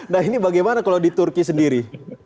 nah ini bagaimana kalau di turki sendiri